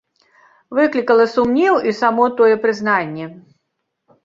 Выклікала сумнеў і само тое прызнанне.